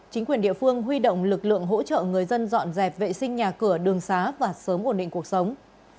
chính quyền địa phương huy động lực lượng hỗ trợ người dân dọn dẹp vệ sinh nhà cửa đường xá và sớm ổn định cuộc sống